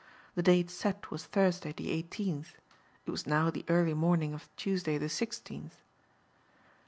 The date set was Thursday the eighteenth. It was now the early morning of Tuesday the sixteenth.